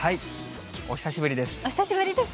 お久しぶりです。